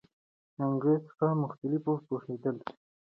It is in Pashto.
انګریزان په مخالفت پوهېدل.